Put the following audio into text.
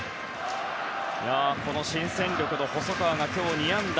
新戦力の細川が今日２安打。